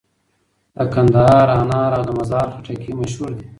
د کندهار انار او د مزار خټکي مشهور دي.